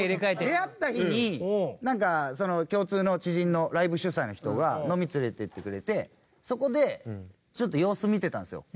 出会った日になんかその共通の知人のライブ主宰の人が飲み連れて行ってくれてそこでちょっと様子見てたんですよ。